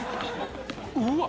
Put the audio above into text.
「うわっ！